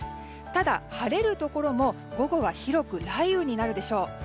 ただ、晴れるところも午後は広く雷雨になるでしょう。